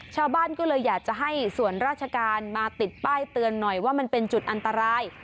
ชาวบ้านก็เลยอยากจะให้ส่วนราชการมาติดป้ายเตือนหน่อยว่ามันเป็นจุดอันตราย